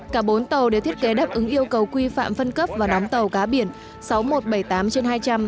cả bốn tàu đều thiết kế đáp ứng yêu cầu quy phạm phân cấp và đóng tàu cá biển sáu nghìn một trăm bảy mươi tám trên hai trăm linh